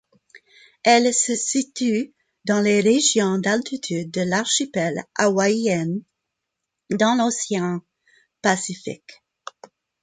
Elle se situe dans les régions d'altitude de l'archipel hawaïen dans l'océan Pacifique.